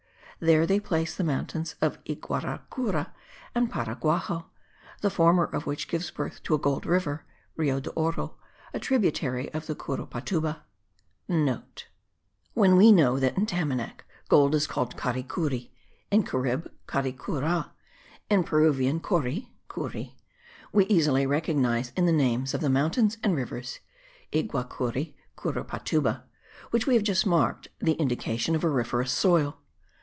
There they place the mountains of Yguaracuru and Paraguaxo, the former of which gives birth to a gold river (Rio de oro), a tributary of the Curupatuba;* (* When we know that in Tamanac gold is called caricuri; in Carib, caricura: in Peruvian, cori (curi), we easily recognize in the names of the mountains and rivers (Yguara curu, Cura patuba) which we have just marked, the indication of auriferous soil.